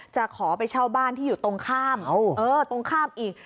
จะขอไปเช่าบ้านที่อยู่ตรงข้ามตรงข้ามอีก